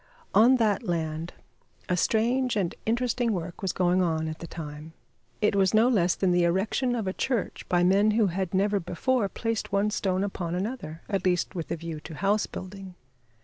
On that land a strange and interesting work was going on at the time. It was no less than the erection of a church by men who had never before placed one stone upon another at least with a view to house building.